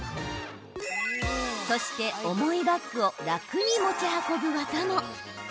そして、重いバッグを楽に持ち運ぶ技も。